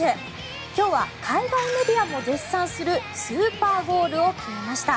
今日は海外メディアも絶賛するスーパーゴールを決めました。